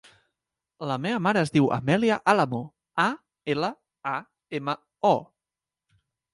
La meva mare es diu Amèlia Alamo: a, ela, a, ema, o.